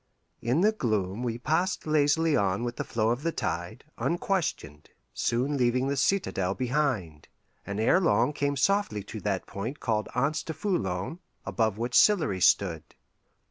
In the gloom we passed lazily on with the flow of the tide, unquestioned, soon leaving the citadel behind, and ere long came softly to that point called Anse du Foulon, above which Sillery stood.